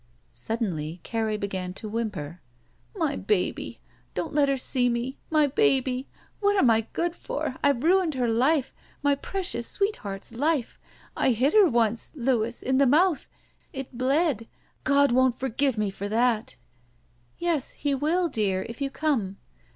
Suddenly Carrie began to whimper. "My baby! Don't let her see me. My baby! What am I good for? I've ruined her life. My pre cious sweetheart's life. I hit her once — Lotiis — in the mouth. It bled. God won't forgive me for that." "Yes, He will, dear, if you come."